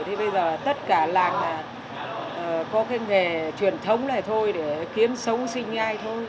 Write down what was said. thế bây giờ tất cả làng là có cái nghề truyền thống này thôi để kiếm sống sinh ai thôi